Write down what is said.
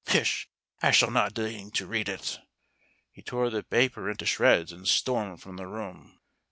Pish! I shall not deign to read it." He tore the paper into shreds, and stormed from the room.